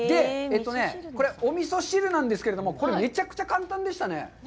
これはお味噌汁なんですけれども、これ、めちゃくちゃ簡単でしたね。